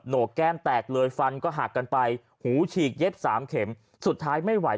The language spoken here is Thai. กแก้มแตกเลยฟันก็หักกันไปหูฉีกเย็บสามเข็มสุดท้ายไม่ไหว